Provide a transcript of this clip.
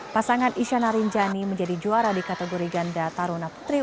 pasangan isyana rinjani menjadi juara di kategori ganda taruna putri